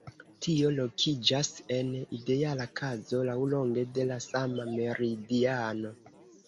Tio lokiĝas en ideala kazo laŭlonge de la sama meridiano.